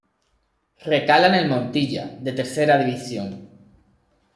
Recala en el Montilla, de Tercera División.